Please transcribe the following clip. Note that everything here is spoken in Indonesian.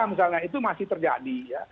misalnya itu masih terjadi